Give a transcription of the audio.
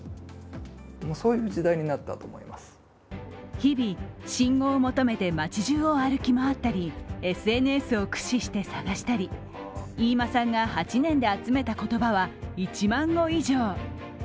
日々、新語を求めて街中を歩き回ったり、ＳＮＳを駆使して探したり、飯間さんが８年で集めた言葉は１万語以上。